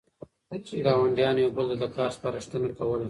ګاونډیانو یو بل ته د کار سپارښتنه کوله.